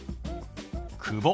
「久保」。